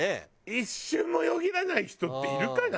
一瞬もよぎらない人っているかな？